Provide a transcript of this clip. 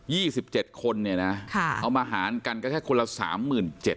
ี่สิบเจ็ดคนเนี่ยนะค่ะเอามาหารกันก็แค่คนละสามหมื่นเจ็ด